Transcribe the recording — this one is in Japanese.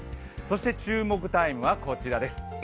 注目タイムはこちらです。